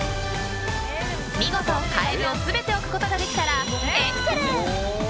見事、カエルを全て置くことができたらエクセレント。